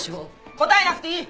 答えなくていい！